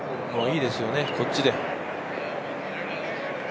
いいですよね、こっちで。